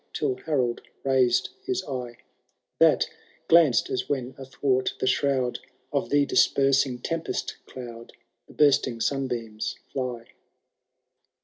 Till Harold raised his eye, TtaX glanced as when athwart the shroud Of the dispersing tempest cloud The bursting sunbeams fly.